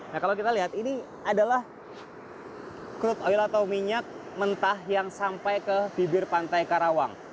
nah kalau kita lihat ini adalah crude oil atau minyak mentah yang sampai ke bibir pantai karawang